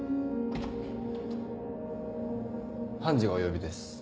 判事がお呼びです。